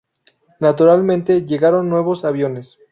Naturalmente, llegaron nuevos aviones.